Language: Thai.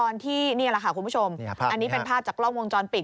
ที่นี่แหละค่ะคุณผู้ชมอันนี้เป็นภาพจากกล้องวงจรปิด